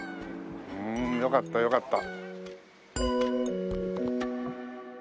うんよかったよかった。